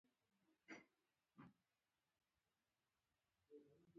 زه په زړه خپه یم